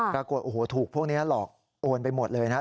ปรากฏโอ้โหถูกพวกนี้หลอกโอนไปหมดเลยนะครับ